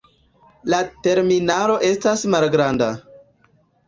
La terminalo estas malgranda.